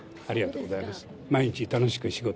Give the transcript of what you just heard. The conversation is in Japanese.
ありがとうございます。